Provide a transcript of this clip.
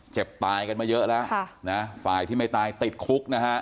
เจ็บตายกันมาเยอะแล้วฝ่ายที่ไม่ตายติดคุกนะฮะ